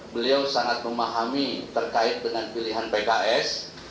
beliau sangat memahami terkait dengan pilihan pks